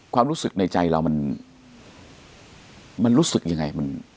ความรู้สึกในใจเรามันรู้สึกยังไง